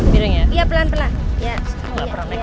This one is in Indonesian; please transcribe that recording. piring ya iya pelan pelan